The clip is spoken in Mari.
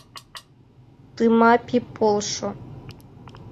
— Тымапи, полшо!